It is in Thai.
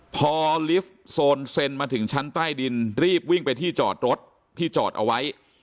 พอลิฟต์โซนเซ็นมาถึงชั้นใต้ดินรีบวิ่งไปที่จอดรถที่จอดเอาไว้